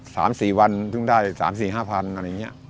สามสี่วันเท่าไร